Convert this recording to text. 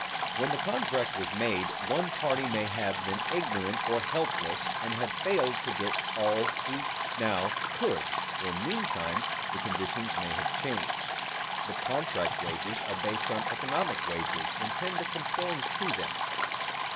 When the contract was made, one party may have been ignorant or helpless, and have failed to get all he now could; or meantime the conditions may have changed. But contract wages are based on economic wages and tend to conform to them.